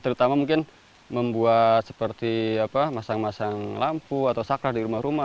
terutama mungkin membuat seperti masang masang lampu atau sakrah di rumah rumah